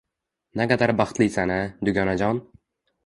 Naqadar baxtlisan-a, dugonajon!